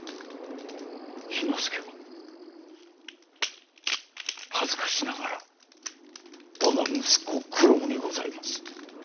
氷ノ介は恥ずかしながら我が息子九郎にございます。